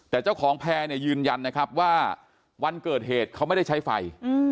แต่เจ้าของแพรยืนยันว่าวันเกิดเหตุเขาไม่ได้ใช้ไฟ